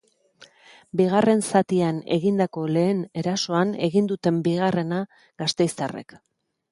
Bigarren zatian egindako lehen erasoan egin dute bigarrena gasteiztarrek.